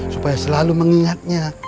supaya selalu mengingatnya